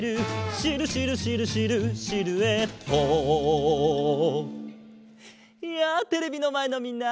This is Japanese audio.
「シルシルシルシルシルエット」やあテレビのまえのみんな！